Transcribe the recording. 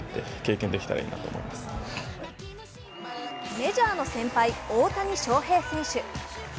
メジャーの先輩・大谷翔平選手。